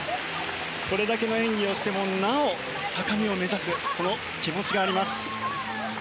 これだけの演技をしてもなお高みを目指すその気持ちがあります。